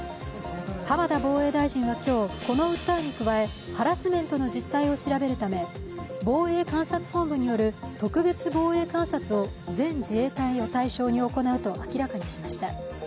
浜田防衛大臣は今日、この訴えに加えハラスメントの実態を調べるため防衛監察本部による特別防衛監察を全自衛隊を対象に行うと明らかにしました。